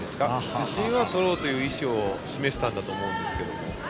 主審は取ろうという意思を示したんだと思うんですけれども。